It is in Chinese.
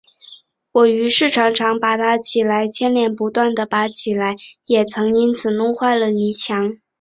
我于是常常拔它起来，牵连不断地拔起来，也曾因此弄坏了泥墙